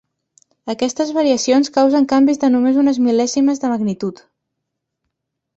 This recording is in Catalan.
Aquestes variacions causen canvis de només unes mil·lèsimes de magnitud.